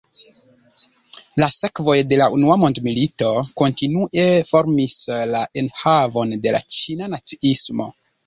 La sekvoj de la Unua Mondmilito kontinue formis la enhavon de la Ĉina naciismo.